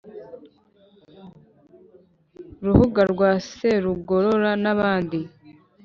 ruhuga rwa serugorora nabandi